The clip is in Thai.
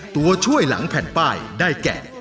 ตัวช่วยหลังแผ่นป้ายได้แก่